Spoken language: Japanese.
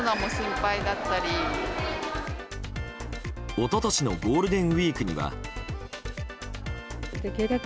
一昨年のゴールデンウィークには。